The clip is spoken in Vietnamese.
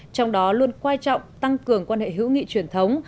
trong đó luôn quan trọng tăng cường quan hệ hữu nghị truyền thống